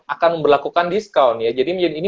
akan berlakukan diskaun ya jadi ini